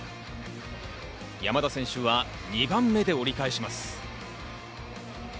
山田選手は２番目で折り返します。